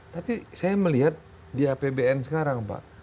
tapi saya melihat di apbn sekarang pak